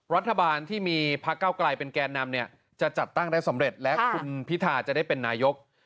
รัฐบาลที่มีพักเก้าไกลเป็นแกนนำเนี่ยจะจัดตั้งได้สำเร็จและคุณพิธาจะได้เป็นนายก